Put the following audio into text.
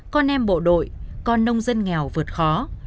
con em bộ đội con nông dân nghèo vượt khó